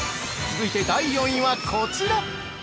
◆続いて、第４位はこちら！